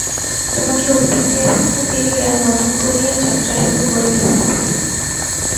তোমাকে উৎপত্তি-স্থানে ফিরিয়া নূতন করিয়া যাত্রা শুরু করিতে হইবে।